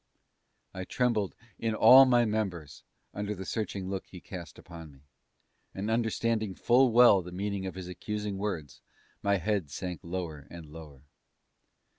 _ I trembled in all my members under the searching look he cast upon me, and understanding full well the meaning of his accusing words, my head sank lower and lower.